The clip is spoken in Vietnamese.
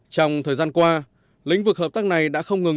trong thời gian qua lĩnh vực hợp tác này đã không ngừng